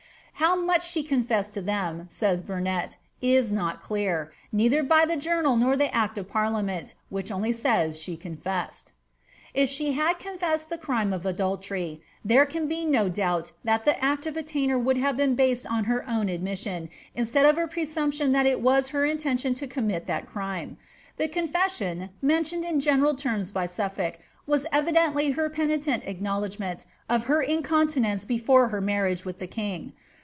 ^ How much she confessed to them,'' says Burnet, ^ is not very clear, neiifaer by the Journal nor the Act of Parliament, which only aajra she con fessed." if she had confessed the crime of adultery, there can be no doubt that the act of attainder would have been ba^ on her own ad mission, instead of a presumption that it was her intention to cotnoiit that crime. The confession, mentioned in general terms by Sufibik, was evidently her penitent acknowledgment of her incontinence before her marriage with the king.